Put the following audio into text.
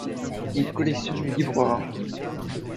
Il collectionne les livres rares.